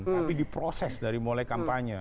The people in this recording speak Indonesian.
tapi diproses dari mulai kampanye